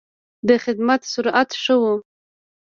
د خدمت سرعت ښه و.